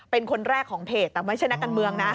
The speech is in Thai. เป็นคนแรกของเพจแต่ไม่ใช่นักการเมืองนะ